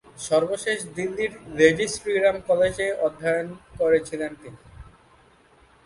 সর্বশেষ দিল্লীর লেডি শ্রীরাম কলেজে অধ্যায়ন করেছিলেন তিনি।